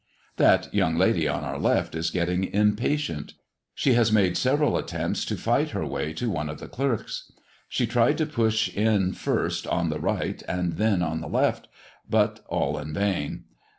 That young lady on our left is getting impatient. She has made several attempts to fight her way to one of the clerks; she tried to push in first on the right, and then on the left, but all in vain.